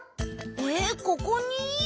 えっここに？